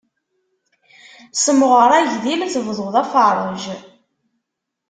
Semɣer agdil, tebduḍ aferrej.